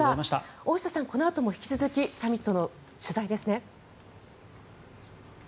大下さん、このあとも引き続きサミットの取材ですね？